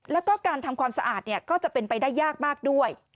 แล้วก็การทำความสะอาดก็จะเป็นไปได้ยากมากด้วย